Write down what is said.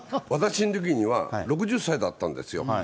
私のときには、６０歳だったんですよ。